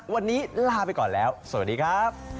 วันนี้ลาไปก่อนแล้วสวัสดีครับ